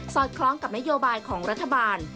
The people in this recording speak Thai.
อดคล้องกับนโยบายของรัฐบาล